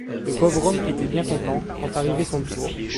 Le pauvre homme était bien content, quand arrivait son tour.